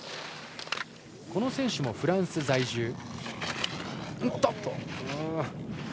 この選手もフランス在住。